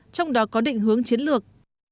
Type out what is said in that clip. trong đó có định hướng chiến lược